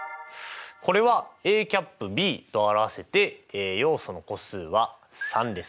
これはＡ∩Ｂと表せて要素の個数は３です。